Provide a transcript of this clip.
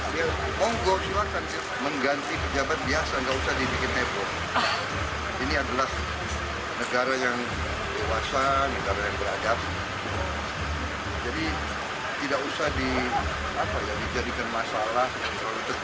ya monggo silahkan mengganti kejabat biasa nggak usah dibikin heboh ini adalah negara yang dewasa negara yang beradab jadi tidak usah dijadikan masalah yang terlalu tegang